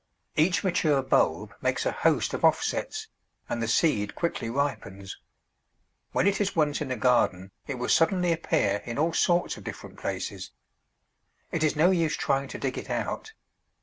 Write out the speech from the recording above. Each mature bulb makes a host of offsets, and the seed quickly ripens. When it is once in a garden it will suddenly appear in all sorts of different places. It is no use trying to dig it out.